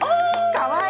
かわいい！